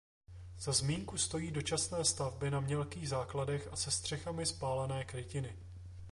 Za zmínku stojí dočasné stavby na mělkých základech a se střechami z pálené krytiny.